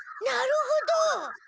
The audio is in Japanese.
なるほど。